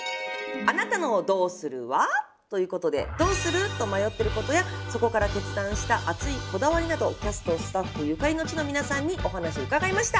「あなたのどうするは？」ということでどうする？と迷ってることやそこから決断した熱いこだわりなどキャストスタッフゆかりの地の皆さんにお話を伺いました。